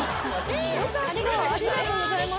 ありがとうございます